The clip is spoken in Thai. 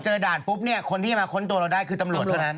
ด่านปุ๊บเนี่ยคนที่จะมาค้นตัวเราได้คือตำรวจเท่านั้น